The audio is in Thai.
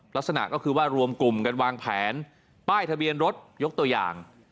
ลักษณะก็คือว่ารวมกลุ่มกันวางแผนป้ายทะเบียนรถยกตัวอย่าง